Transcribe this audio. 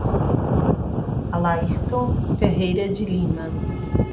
Alairton Ferreira de Lima